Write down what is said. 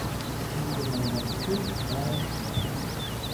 Бул фирманын башчысы Раян Ж.